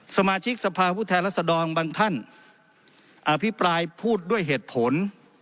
สมาชิกสภาพุทธแทนรัศดรบางท่านอภิปรายพูดด้วยเหตุผล